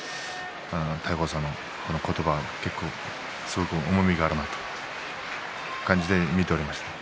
大鵬さんも、この言葉すごく重みがあるなと感じて見ていました。